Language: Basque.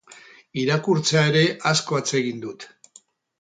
Irakurtzea ere asko atsegin dut.